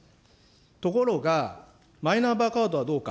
ところが、マイナンバーカードはどうか。